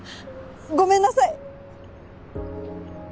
ごめんなさい。